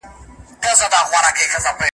د یوې برخي یوه ویډیو را ولېږله .